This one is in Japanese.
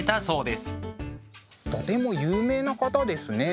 とても有名な方ですね。